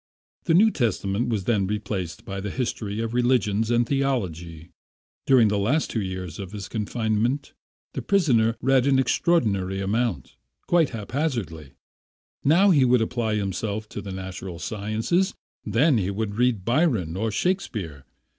The New Testament was then replaced by the history of religions and theology. During the last two years of his confinement the prisoner read an extraordinary amount, quite haphazard. Now he would apply himself to the natural sciences, then he would read Byron or Shakespeare.